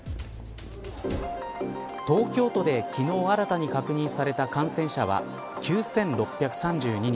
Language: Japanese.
東京都で昨日新たに確認された感染者は９６３２人。